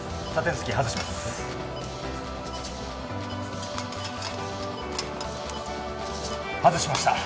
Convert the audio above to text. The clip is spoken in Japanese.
外しました。